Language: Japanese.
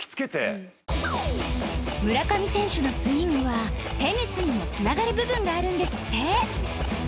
村上選手のスイングはテニスにも繋がる部分があるんですって